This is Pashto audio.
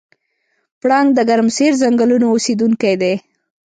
پړانګ د ګرمسیر ځنګلونو اوسېدونکی دی.